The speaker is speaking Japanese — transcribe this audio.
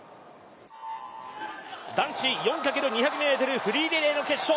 男子４×２００ｍフリーリレーの決勝。